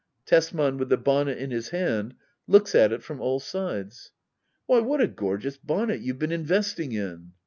Tesman. [With the bonnet in his hand, looks at it from all sides,"] Why, what a gorgeous bonnet you've been investing in